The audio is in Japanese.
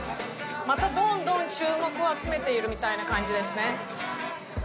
またどんどん注目を集めているみたいな感じですね。